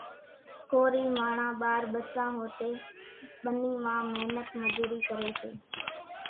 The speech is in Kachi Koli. ڪورِي ماڻۿان ٻار ٻسان هوتين ٻنِي مان مينت مزورِي ڪريَ سي۔